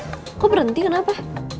mobil kok berhenti kenapa